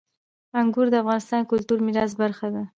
انګور د افغانستان د کلتوري میراث برخه ده.